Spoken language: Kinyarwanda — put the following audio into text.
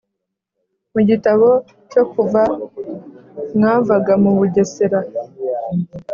Mu gitabo cyo Kuva bwavaga mu bugesera.